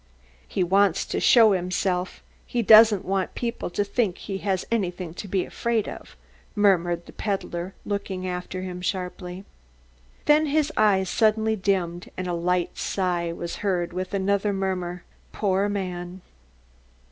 "He wants to show himself; he doesn't want to let people think that he has anything to be afraid of," murmured the peddler, looking after him sharply. Then his eyes suddenly dimmed and a light sigh was heard, with another murmur, "Poor man."